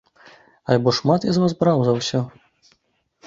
Альбо шмат я з вас браў за ўсё?